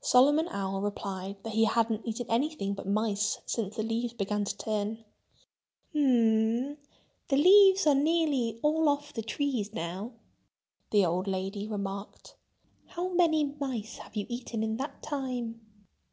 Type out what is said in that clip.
Solomon Owl replied that he hadn't eaten anything but mice since the leaves began to turn. "H m—the leaves are nearly all off the trees now," the old lady remarked. "How many mice have you eaten in that time?"